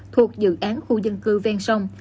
thuộc dự án khu dân cư vang sông